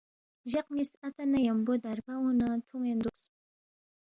جق نیس اَتا نہ یمبو دربہ اونا، تھونین دوکس۔